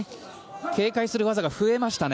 警戒する技が増えました。